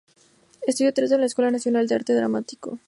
Estudió teatro en la Escuela Nacional de Arte Dramático.